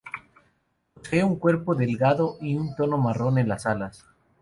Posee un cuerpo delgado y un tono marrón en las alas.